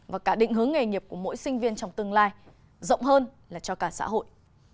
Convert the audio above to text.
và cả định hướng nghề nghiệp của mỗi sinh viên trong tương lai rộng hơn là cho cả xã hội